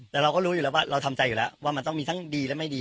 แต่เราก็รู้อยู่แล้วว่าเราทำใจอยู่แล้วว่ามันต้องมีทั้งดีและไม่ดี